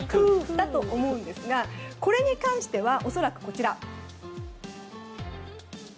だと思いますがこれに関しては恐らくこちら。